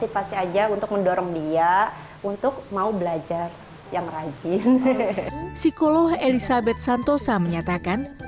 psikolog elisabeth santosa menyatakan